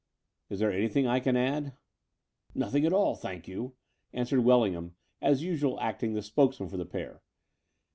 "Is there anything I can add?" "Nothing at all, thank you," answered Welling ham, as usual acting as spokesman for the pair.